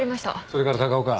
それから高岡。